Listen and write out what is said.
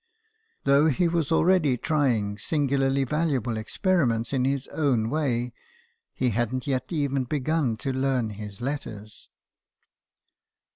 Though he was already trying singularly valuable experi ments in his own way, he hadn't yet even begun to learn his letters.